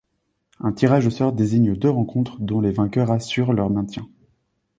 Un tirage au sort désigne deux rencontres dont les vainqueurs assurent leur maintien.